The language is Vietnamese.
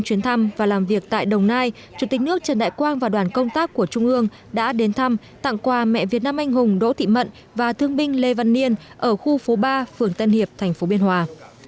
chủ tịch nước trần đại quang và đoàn công tác của trung ương đã đến thăm tặng quà mẹ việt nam anh hùng đỗ thị mận và thương binh lê văn niên ở khu phố ba phường tân hiệp thành phố biên hòa